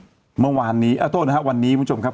อื้อฮือเมื่อวานนี้อโทชน์นะฮะวันนี้มันพูดจบครับ